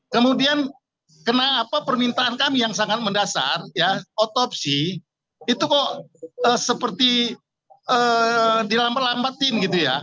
kemudian kenapa permintaan kami yang sangat mendasar ya otopsi itu kok seperti dilambat lambatin gitu ya